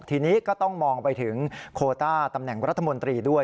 ทีนี้ก็ต้องมองไปถึงโคต้าตำแหน่งรัฐมนตรีด้วย